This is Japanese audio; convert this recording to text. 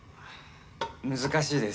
難しいです。